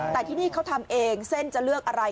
แต่ที่นี่เขาทำเองเส้นจะเลือกอะไร